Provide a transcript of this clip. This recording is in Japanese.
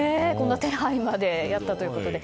手配までやったということで。